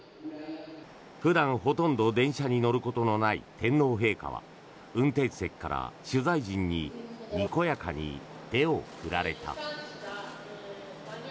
普段、ほとんど電車に乗ることのない天皇陛下は運転席から取材陣ににこやかに手を振られた。